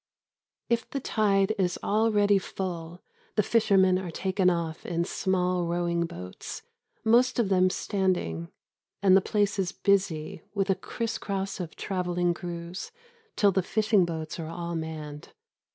If the tide is already full the fishermen are taken off in small rowing boats, most of them standing, and the place is busy with a criss cross of travelling crews till the fishing boats are all manned.